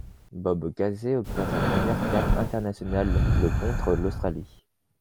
Bob Casey obtient sa première cape internationale le contre l'Australie.